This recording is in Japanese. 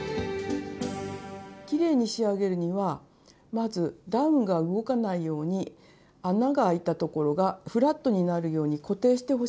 きれいに仕上げるにはまずダウンが動かないように穴があいたところがフラットになるように固定してほしいんです。